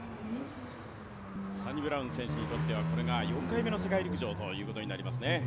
サニブラウン選手にとってはこれが４回目の世界陸上ということになりますね。